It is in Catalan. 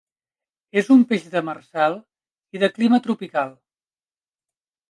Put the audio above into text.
És un peix demersal i de clima tropical.